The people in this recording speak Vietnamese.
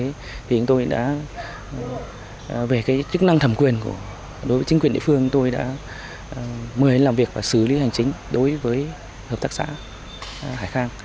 thì chúng tôi đã về cái chức năng thẩm quyền đối với chính quyền địa phương tôi đã mời làm việc và xử lý hành chính đối với hợp tác xã hải khang